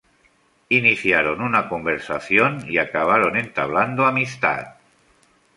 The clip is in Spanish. Iniciaron una conversación y acabaron entablando amistad.